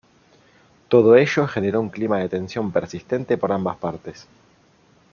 Todo ello generó un clima de tensión persistente por ambas partes.